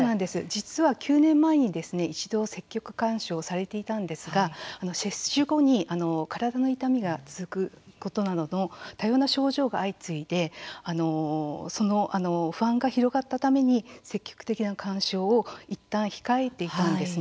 実は、９年前に一度積極勧奨されていたんですが接種後に、体の痛みが続くことなどの多様な症状が相次いで不安が広がったために積極的な勧奨をいったん控えていたんです。